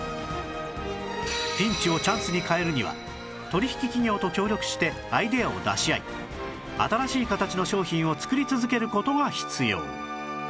ピンチをチャンスに変えるには取引企業と協力してアイデアを出し合い新しい形の商品を作り続ける事が必要